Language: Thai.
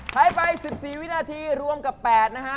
ใช้ไป๑๔วินาทีรวมกับ๘นะฮะ